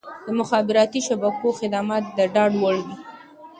د مخابراتي شبکو خدمات د ډاډ وړ وي.